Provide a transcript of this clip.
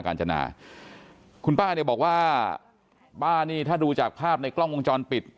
การจนาคุณป้าเนี่ยบอกว่าป้านี่ถ้าดูจากภาพในกล้องวงจรปิด